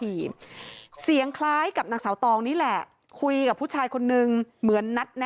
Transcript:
นำเงินมามอบให้อ่ะค่ะคุณผู้ชมลองฟังเองค่ะ